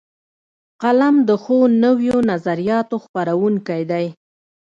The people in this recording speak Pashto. قلم د ښو نویو نظریاتو خپروونکی دی